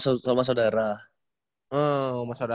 oh rumah saudara aja gitu ya